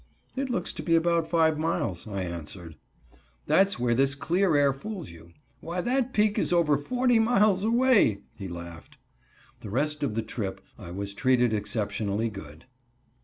"It looks to be about five miles," I answered. "That's where this clear air fools you. Why that peak is over forty miles away," he laughed. The rest of this trip I was treated exceptionally good.